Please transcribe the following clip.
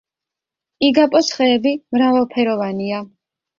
იგაპოს ხეები მრავალფეროვანია.